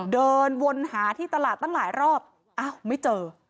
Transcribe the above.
เดินวนหาที่ตลาดตั้งหลายรอบอ้าวไม่เจอ